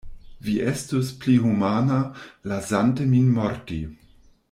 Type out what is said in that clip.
Vi estus pli humana, lasante min morti.